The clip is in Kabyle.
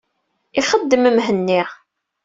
Ixeddem Mhenni.